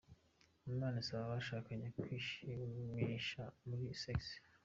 Imana isaba abashakanye kwishimisha muli sex.